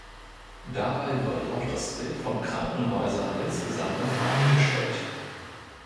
Dabei wird auch das Bild von Krankenhäusern insgesamt in Frage gestellt.